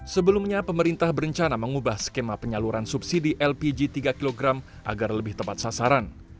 sebelumnya pemerintah berencana mengubah skema penyaluran subsidi lpg tiga kg agar lebih tepat sasaran